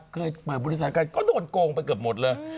ก็โดนโกงไปเกือบหมดเลย